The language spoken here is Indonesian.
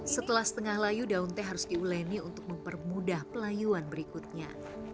setelah setengah layu daun teh harus diuleni untuk mempermudah pelayuan berikutnya